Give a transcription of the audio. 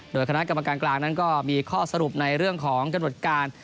โดยคณะกรรมการกลางนั้นก็มีข้อสรุปในเรื่องของกำหนดการ